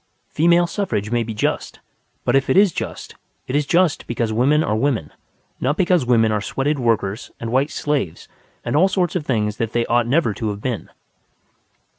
Female suffrage may be just. But if it is just, it is just because women are women, not because women are sweated workers and white slaves and all sorts of things that they ought never to have been.